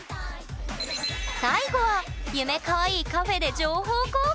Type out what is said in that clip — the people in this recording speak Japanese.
最後はゆめかわいいカフェで情報交換！